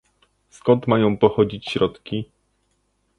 skąd mają pochodzić środki?